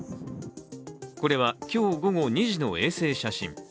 これは今日午後２時の衛星写真。